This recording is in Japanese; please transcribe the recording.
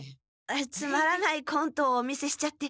つまらないコントをお見せしちゃってすみません。